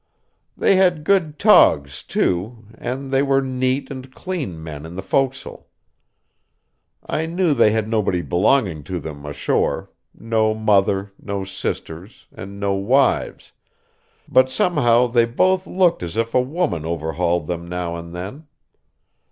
They had good togs, too, and they were neat and clean men in the forecastle. I knew they had nobody belonging to them ashore, no mother, no sisters, and no wives; but somehow they both looked as if a woman overhauled them now and then.